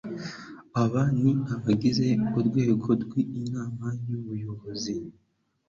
aba ni abagize urwego rw'inama y'ubuyobozi